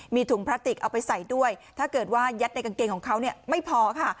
มีถุงพลาสติกเอาไปใส่ด้วยถ้าเกิดว่ายัดในกางเกงของเขาเนี่ยไม่พอค่ะ